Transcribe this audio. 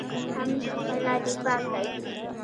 همت خپله دفاع کوي.